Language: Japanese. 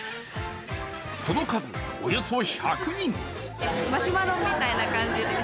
その数およそ１００人。